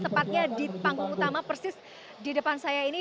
tepatnya di panggung utama persis di depan saya ini